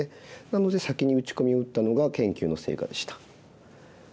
なので先に打ち込みを打ったのが研究の成果でした。